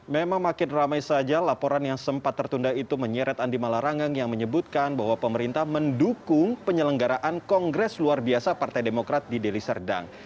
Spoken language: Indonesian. memang makin ramai saja laporan yang sempat tertunda itu menyeret andi malarangeng yang menyebutkan bahwa pemerintah mendukung penyelenggaraan kongres luar biasa partai demokrat di deli serdang